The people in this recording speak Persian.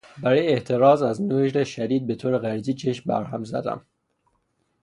برای احتراز از نور شدید به طور غریزی چشم برهم زدم.